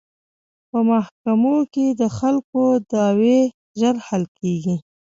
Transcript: په محکمو کې د خلکو دعوې ژر حل کیږي.